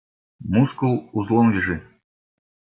Мускул узлом вяжи.